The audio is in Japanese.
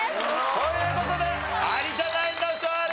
という事で有田ナインの勝利！